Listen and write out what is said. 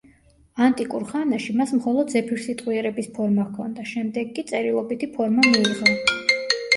ანტიკურ ხანაში მას მხოლოდ ზეპირსიტყვიერების ფორმა ჰქონდა, შემდეგ კი წერილობითი ფორმა მიიღო.